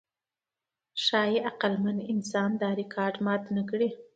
ښایي عقلمن انسان دا ریکارډ مات نهکړي.